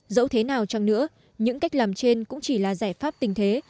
dẫu thế nào chẳng nữa những cách làm trên cũng chỉ là giải pháp tình thế